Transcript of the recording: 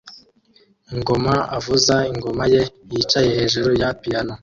Ingoma avuza ingoma ye yicaye hejuru ya piyano